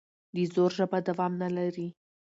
د زور ژبه دوام نه لري